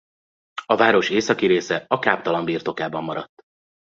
A város északi része a káptalan birtokában maradt.